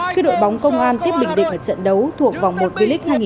khi đội bóng công an tiếp bình định ở trận đấu thuộc vòng một v league hai nghìn hai